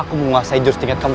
aku menguasai jurus tiket kamu